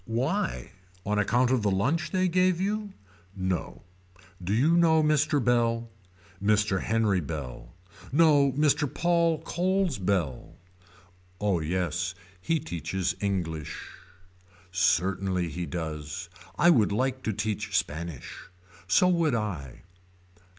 Why on account of the lunch they gave you. No. Do you know Mr. Bell. Mr. Henry Bell. No Mr. Paul Coles Bell. Oh yes. He teaches English. Certainly he does. I would like to teach Spanish. So would I.